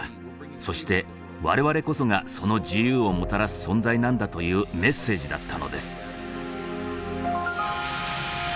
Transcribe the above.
そして我々こそがその自由をもたらす存在なんだというメッセージだったのです。